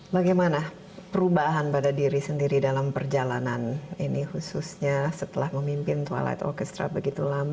bagaimana perubahan pada diri sendiri dalam perjalanan ini khususnya setelah memimpin twilight orchestra